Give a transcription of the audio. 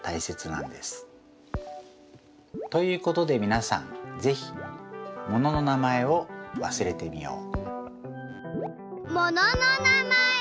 ということでみなさんぜひものの名前を忘れてみよう！